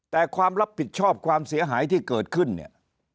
แต่ความรับผิดชอบความเสียหายที่เกิดขึ้นเนี่ย